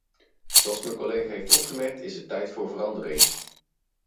Zoals mijn collega heeft opgemerkt, is het tijd voor verandering.